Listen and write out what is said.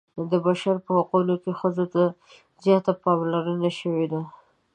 د بشر په حقونو کې ښځو ته زیاته پاملرنه شوې ده.